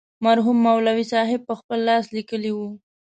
مرحوم مولوي صاحب پخپل لاس لیکلې وه.